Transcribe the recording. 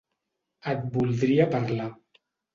- Et voldria parlar